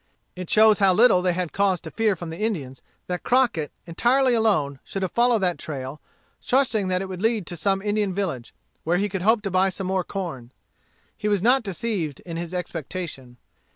It shows how little they had cause to fear from the Indians, that Crockett, entirely alone, should have followed that trail, trusting that it would lead him to some Indian village, where he could hope to buy some more corn. He was not deceived in his expectation.